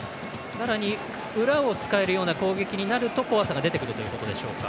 さらに裏を使えるような攻撃になると怖さが出てくるということでしょうか。